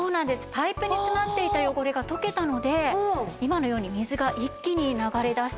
パイプに詰まっていた汚れが溶けたので今のように水が一気に流れ出したわけなんですね。